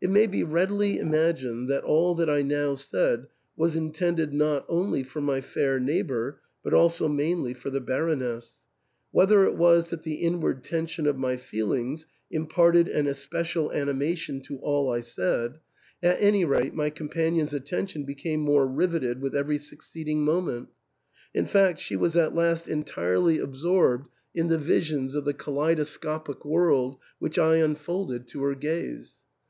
It may be readily imagined that all that I now said was intended not only for my fair neighbour, but also mainly for the Baroness. Whether it was that the inward tension of my feelings imparted an especial animation to all I said, at any rate my companion's at tention became more riveted with every succeeding moment ; in fact, she was at last entirely absorbed in 240 THE ENTAIL. the visions of the kaleidoscopic world which I unfolded to her gaze.